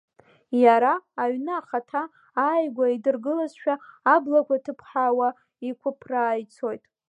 Иара, аҩны ахаҭа, ааигәа идыргылазшәа, аблақәа ҭыԥхаауа, иқәыԥраа ицоит.